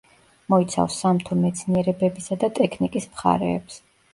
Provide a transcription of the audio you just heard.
მოიცავს სამთო მეცნიერებებისა და ტექნიკის მხარეებს.